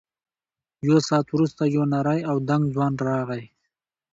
یو ساعت وروسته یو نری او دنګ ځوان راغی.